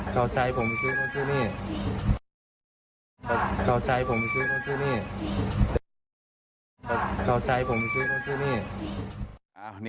เขาใจผมชื่อเขาชื่อนี่เขาใจผมชื่อเขาชื่อนี่